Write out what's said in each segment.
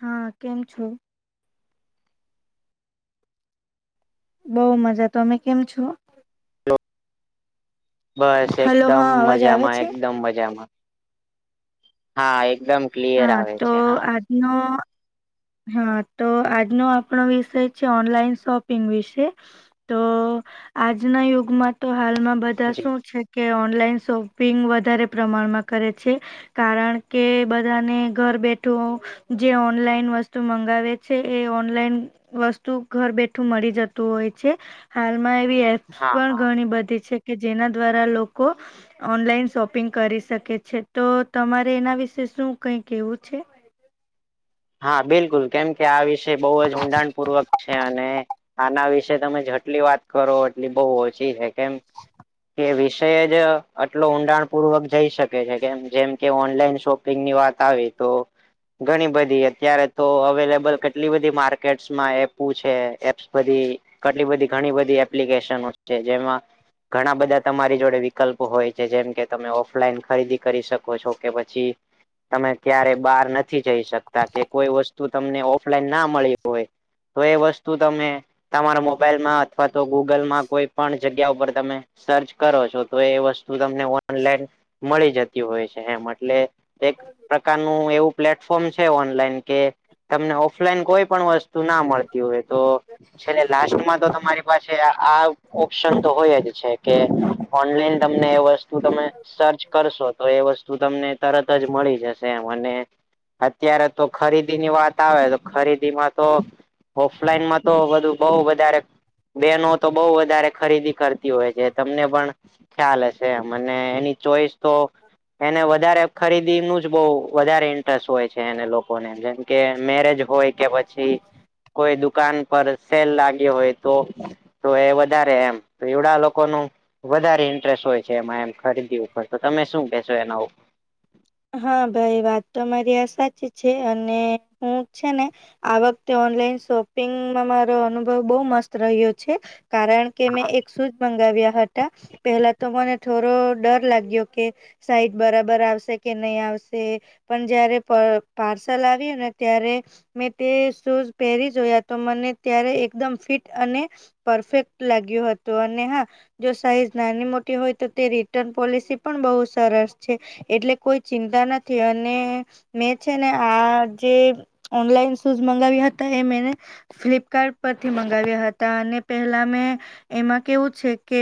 હા, કેમ છો? બઉ મજા તમે કેમ છો? બસ હલો એકદમ હા અવાજ આવે મજામાં છે એકદમ મજામાં- હા, એકદમ- ક્લિયર હા, આવે તો છે હા આજનો- હા, તો આજનો આપણો વિષય છે, ઓનલાઈન શોપિંગ વિશે- તો આજના યુગમાં તો હાલમાં બધા- બધા જી શું છે કે ઓનલાઈન શોપિંગ વધારે પ્રમાણમાં કરે છે કારણ કે, બધાને ઘર બેઠું જે ઓનલાઈન વસ્તુ મંગાવે છે એ ઓનલાઈન- વસ્તુ ઘર બેઠું મળી જતું હોય છે. હાલમાં એવી હા પણ હા ઘણી બધી છે, કે જેના દ્વારા લોકો- ઓનલાઈન શોપિંગ કરી શકે છે તો, તમારે એના વિશે શું કઈ કેવું છે. હા બિલકુલ કેમ કે આ વિષય બહુ જ ઊંડાણ પૂર્વક છે અને- આના વિશે તમે જેટલી વાત કરો એટલી બહુ ઓછી છે કેમ- કે વિષય જ આટલો ઊંડાણ પૂર્વક જઈ શકે છે કેમ જેમ કે ઓનલાઈન શોપપિંગ - ની વાત આવે તો ઘણી બધી- અત્યારે તો અવેલેબલ કેટલી બધી માર્કેટમાં એપુ છે એપ્સ બધી- કેટલી બધી ઘણી બધી એપ્લિકેશનો છે જેમાં- ઘણા બધા તમારી જોડે વિકલ્પો હોય છે જેમ કે તમે ઓફલાઈન ખરીદી કરી શકો છો કે પછી- તમે ક્યારે બહાર નથી જઈ શકતા કે કોઈ વસ્તુ તમને ઓફલાઈન ના મળી હોય- તો એ વસ્તુ તમે- તમારા મોબાઈલમાં અથવા તો ગૂગલમાં કોઈ પણ જગ્યા ઉપર તમે- સર્ચ કરો છો તો એ વસ્તુ તમને ઓનલાઈન મળી જાય- હોય છે એમ એટલે એક પ્રકારનું એવું પ્લેટફોર્મ છે. છે ઓનલાઈન કે તમને ઓફલાઈન કોઈ પણ વસ્તુ ના મળતી હોય તો- છેલે લાસ્ટમાં તો તમારી પાસે આ ઓપ્શન તો હોય જ છે કે- ઓનલાઈન તમને એ વસ્તુ- તમે સર્ચ કરશો તો એ વસ્તુ તમને તરત જ મળી જશે એમ અને- અત્યારે તો ખરીદીની વાત આવે તો ખરીદીમાં તો ઓફલાઈનમાં તો બધું- બહુ વધારે બેનો તો બહું વધારે ખરીદી કરતી હોય છે તમને પણ- ખ્યાલ હશે મને એની ચોઈસ- તો એને વધારે ખરીદી નું જ બહુ વધારે ઇન્ટરેસ્ટ હોય છે. છેને લોકોને જેમ કે મેરેજ હોય કે પછી- કોઈ દુકાન પર સેલ લાગયો હોય તો- તો એ વધારે એમ તો એવડા લોકો નુ- વધારે ઇન્ટરેસ્ટ હોય છે એમાં એમ ખરીદી ઉપર તો તમે શું કેશો એના ઉપર- હા ભાઈ વાત તો તમારી આ સાચી છે અને હું છે. ને- આ વખતે ઓનલાઈન શોપિંગમાં મારો અનુભવ બહુ મસ્ત રહ્યો છે. કારણ- કે મેં એક શૂઝ મંગાવ્યા હતા પેલા તો મને થોડો ડર લાગ્યો કે- સાઈટ બરાબર આવશે. કે નહીં આવશે પણ જય્યારે પ પાર્સલ આવ્યું ને ત્યારે- મેં તે શૂઝ પહેરી જોયા તો મને ત્યારે એકદમ ફિટ અને- પરફેક્ટ લાગ્યું હતું અને હા જો સાઈઝ નાની મોટી હોય તો તે રિટર્ન પોલિસી પણ બહુ સરસ છે એટલે કોઈ ચિંતા નથી અને મેં છે ને આ જે ઓનલાઈન શૂઝ મંગાવ્યા હતા એ મેને ફ્લિપકાર્ટ પરથી મંગાવ્યા હતા અને પહેલા મેં એમાં કેવું છે કે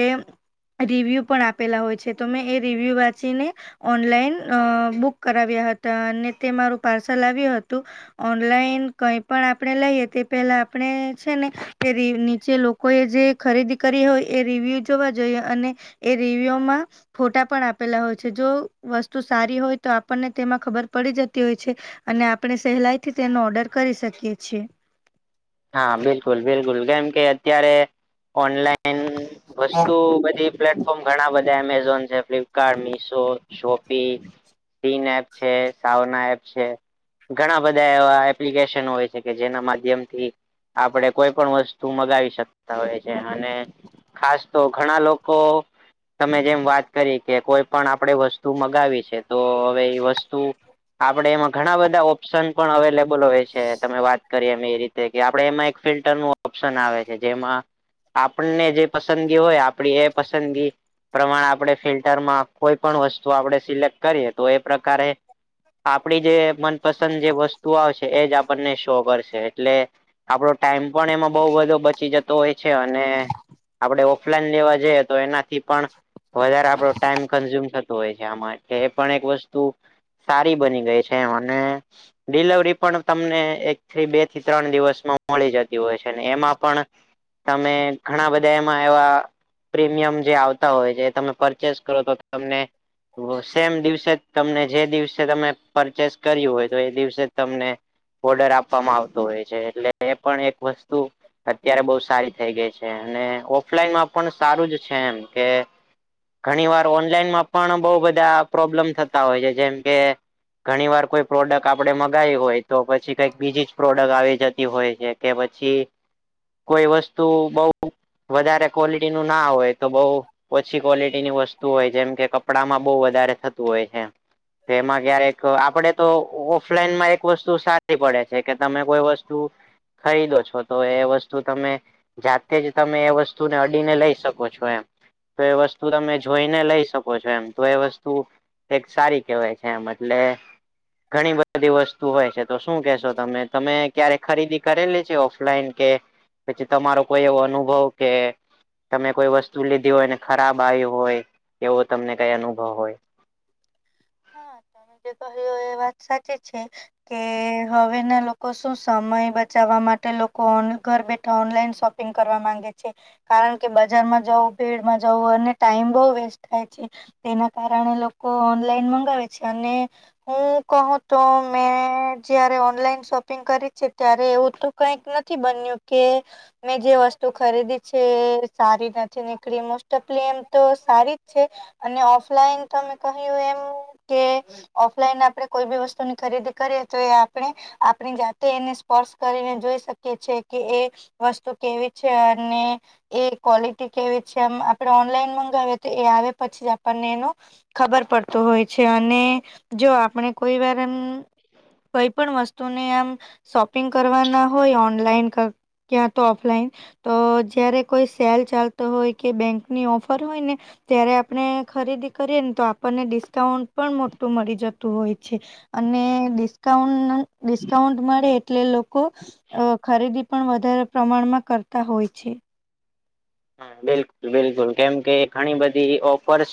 રિવ્યૂ પણ આપેલા હોય છે તો મેં એ રિવ્યૂ વાંચીને ઓનલાઈન અ બુક કરાવ્યા હતા અને તે મારું પાર્સલ આવ્યું હતું ઓનલાઈન કઈ પણ આપણેે લઈએ તે પેલા આપણે છે ને નીચે કોઈએ જે ખરીદી કરી હોય એ રિવ્યુ જોવા જોઈએ અને એ રિવ્યુમાં ફોટા પણ આપેલા હોય છે જો વસ્તુ સારી હોય તો આપણને તેમાં ખબર પડી જતી હોય છે અને આપણે સહેલાઈ થી તેનો ઓર્ડર કરી શકીએ છીએ હા બિલકુલ બિલકુલ કેમ કે અત્યારે ઓનલાઈન વસ્તુ બધી પ્લેટફોર્મ ઘણા બધા એમેઝોન છે ફ્લિપકાર્ટ મિશો શોપી સીન એપ છે સાવના એપ છે ઘણા બધા એવા એપ્લિકેશન હોય છે કે જેના માધ્યમ થી આપણે કોઈ પણ વસ્તુ મગાવી શકતા હોય છે અને ખાસ તો ઘણા લોકો તમે જેમ વાત કરી કે કોઈ પણ આપણે વસ્તુ મગાવી છે તો હવે એ વસ્તુ આપડે એમાં ઘણા બધા ઓપ્શન પણ અવેલેબલ હોય છે તમે વાત કરીએ એમ એ રીતે આપડે એમાં એક ફિલ્ટર નું ઓપ્શન આવે છે જેમાં આપણને જે પસંદગી હોય આપડી એ પસંદગી પ્રમાણે આપણે ફિલ્ટરમાં કોઈ પણ વસ્તુ આપણે સિલેક્ટ કરીએ તો એ પ્રકારે આપડી જે મનપસંદ જે વસ્તુ આવશે એજ આપણને શો કરશે એટલે આપડો ટાઈમ પણ એમાં બહુ બધો બચી જતો હોય છે અને આપડણે ઓફલાઈન લેવા જઈએ તો એનાથી પણ વધારે આપડો ટાઈમ કન્ઝ્યુમ થતો હોય છે આમાં એટલે એ પણ એક વસ્તુ સારી બની ગઈ છે અને ડિલવરી પણ તમને એક થી બે થી ત્રણ દિવસમાં મળી જતી હોય છેને એમાં પણ તમે ઘણા બધા એમાં એવા પ્રીમિયમ જે આવતા હોય છે તમે પરચેસ કરો તો તમને સેમ દિવસે જ તમને જે દિવસે તમે પરચેસ કર્યું હોય તો એ દિવસે તમને ઓર્ડર આપવામાં આવતો હોય છે એટલે એ પણ એક વસ્તુ અત્યારે બઉ સારી થઈ ગઈ છે અને ઓફલાઈનમાં પણ સારું જ છે એમ કે ઘણી વાર ઓનલાઈનમાં પણ બહુ બધા પ્રોબ્લેમ થતા હોય છે જેમ કે ઘણી વાર કોઈ પ્રોડક્ટ આપડે મગાવી હોય તો પછી કઈક બીજીજ પ્રોડક્ટ આવે જતી હોય છે કે પછી કોઈ વસ્તુ બઉ વધારે ક્વોલિટી નું ના હોય તો બહુ ઓછી ક્વોલિટી ની વસ્તુ હોય જેમ કે કપડામાં બહુ વધારે થતું હોય છે તેમાં ક્યારેક આપડે તો ઓફલાઈનમાં એક વસ્તુ સારી પડે છે જે કે તમે કોઈ વસ્તુ ખરીદો છો તો એ વસ્તુ તમે જાતે જ તમે એ વસ્તુને અડીને લઈ શકો છો એમ તો એ વસ્તુ તમે જોઈને લઈ શકો છો એમ તો એ વસ્તુ એક સારી કેહેવાય છે એમ એટલે ઘણી બધી બધી વસ્તુ હોય છે તો શું કેશો તમે તમે ક્યારે ખરીદી કરેલી છે ઓફલાઈન કે પછી તમારો કોઈ એવો અનુભવ કે તમે કોઈ વસ્તુ લીધી હોય ને ખરાબ આવી હોય એવો તમને કઈ અનુભવ હોય હા તમે જે કહ્યું એ વાત સાચી છે કે હવે ના લોકો શું સમય બચાવવા માટે લોકોન ઘર બેઠા ઓનલાઈન શોપ ઈનંગ કરવા માંગે છે કારણ કે બજારમાં જવ ભીડમાં જવ અને ટાઈમ બહ વેસ્ટ થાય છે તેના કારણે લોકો ઓનલાઈન મંગાવે છે અને હું કહું તો મેં જયારે ઓનલાઈન શોપિંગ કરી છે ત્યારે એવું તો કઈક નથી બન્યું કે મેં જે વસ્તુ ખરીદી છે એ સારી નથી નીકળી મોસ્ટ ઓફલી એમ તો સારી જ છે અને ઓફલાઈન તમે કહ્યું એમ કે ઓફલાઈન આપણે કોઈ બી વસ્તુની ખરીદી કરીએ તો એ આપણે આપણી જાતે એને સ્પર્શ કરીને જોઈ શકીએ છીએ કે એ વસ્તુ કેવી છે અને એ ક્વોલિટી કેવી છેમ આપણે ઓનલાઈન મંગાવએ તો એ આવે પછી આપણને એનું ખબર પડતું હોય છે અને જો આપણે કોઈ વાર એમ. કઈ પણ વસ્તુને આમ શોપિંગ કરવાના હોય ઓનલાઈન ક્યાં તો ઓફલાઈન તો જયારે કોઈ સેલ ચાલતો હોય કે બેંકની ઓફર હોય ને ત્યારે આપણે ખરીદી કરીએે ને તો આપણને ડિ- ડિસ્કાઉન્ટ પણ મોટું મળી જતું હોય છે અને ડિસ્કાઉન્ટ ડિસ્કાઉન્ટ મળે એટલે લોકો અ ખરીદી પણ વધારે પ્રમાણમાં કરતા હોય છે હ બિલકુલ બિલકુલ કેમ કે ઘણી બધી ઓફર્સ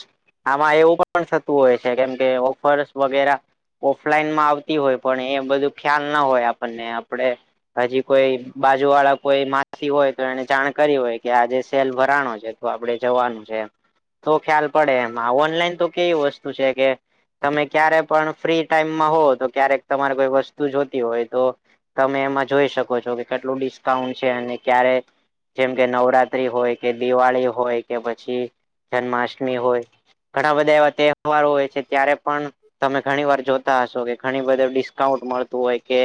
આમાં એવું પણ થતું હોય છે કેમ કે ઓફર્સ વગેરે ઓફલાઈનમાં આવતી હોય પણ એ બધું ખ્યાલ ના હોય આપણને આપડે હજી કોઈ બાજુ વાળા કોઈ માસી હોય તો એને જાણ કરી હોય કે આજે સેલ ભરાણો છે તો આપડે જવાનું છે તો ખ્યાલ પડે એમાં ઓનલાઈન તો કેવી વસ્તુ છે કે. તમે ક્યારે પણ ફ્રી ટાઈમમાં હોવ તો ક્યારેક તમારે કોઈ વસ્તુ જોતી હોય તો. તમે એમાં જોઈ શકો છો કે કેટલું ડિસ્કાઉન્ટ છે અને ક્યારે જેમ કે નવરાત. ત હોય કે દિવાળી હોય કે પછી જન્માષ્ટમી હોય. ઘણા બધા એવા તહેવારો હોય છે ત્યારે પણ. તમે ઘણી વાર જોતા હશો કે ઘણી બધી ડિસ્કાઉન્ટ મળતું હોય કે.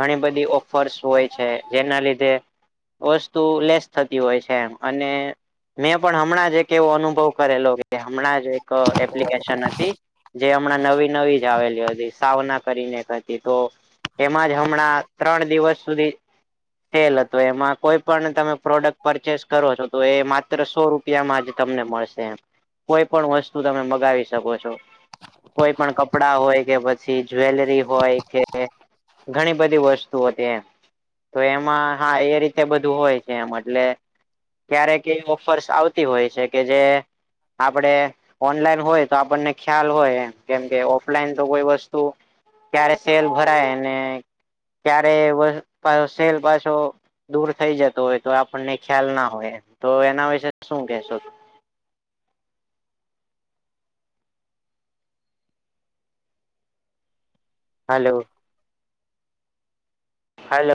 ઘણી બધી ઓફર્સ હોય છે જેના લીધે વસ્તુ લેસ થતી હોય છે. અને મેં પણ હમણાં જ એક એવો અનુભવ કરેલો કે હમણાં જ. એપ્લિકેશન હતી જે હમણાં નવી નવી જ આવેલી હતી. સાવના કરીનેતી તો એમાં જ હમણાં ત્રણ દિવસ સુધી. સેલ હતો એમાં કોઈ પણ તમે પ્રોડક્ટ પરચેસ કરો છો. તો એ માત્ર સો રૂપિયામાંજ તમને મળશે એમ. કોઈ પણ વસ્તુ તમે મગાવી શકો છો. કોઈ પણ કપડાં હોય કે પછી જ્વેલરી હોય કે. ઘણી બધી વસ્તુઓ હતી એમ તો એમાં હા એ રીતે બધું હોય છે એમ એટલે. ક્યારેક એવી ઓફર્સ આવતી હોય છે કે જે આપડે. ઓનલાઈન હોય તો આપણને ખ્યાલ હોય એમ કેમ કે ઓફલાઈન તો કોઈ વસ્તુ. ક્યારે સેલ ભરાય ને. ક્યારે સેલ પાછો દૂર થઈ જતો હોય તો આપણને. ખ્યાલ ના હોય એમ તો એના વિશે શું કેશો. હલો. [unintelligible]